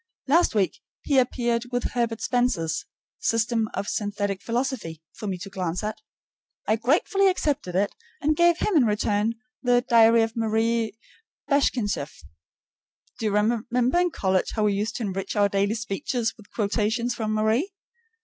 Last week he appeared with Herbert Spencer's "System of Synthetic Philosophy" for me to glance at. I gratefully accepted it, and gave him in return the "Diary of Marie Bashkirtseff." Do you remember in college how we used to enrich our daily speech with quotations from Marie?